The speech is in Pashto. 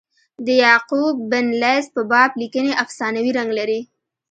د یعقوب بن لیث په باب لیکني افسانوي رنګ لري.